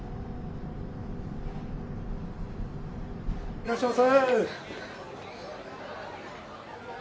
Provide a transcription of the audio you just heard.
いらっしゃいませ。